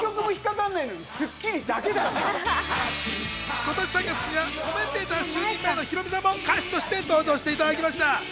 今年３月にはコメンテータ就任前のヒロミさんも歌手として登場していただきました。